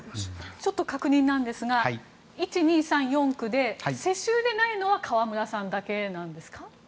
ちょっと確認ですが１、２、３、４区で世襲でないのは河村さんだけなんですか？